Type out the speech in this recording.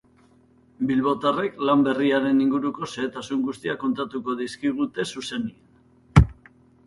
Bilbotarrek lan berriaren inguruko xehetasun guztiak kontatuko dizkigute zuzenean.